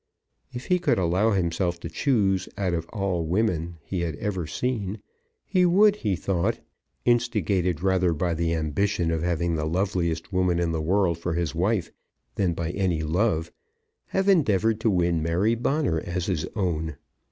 If he could allow himself to choose out of all the women he had ever seen, he would, he thought, instigated rather by the ambition of having the loveliest woman in the world for his wife than by any love, have endeavoured to win Mary Bonner as his own.